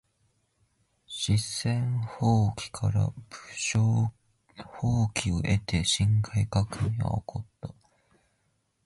四川蜂起から武昌蜂起を経て辛亥革命は起こった。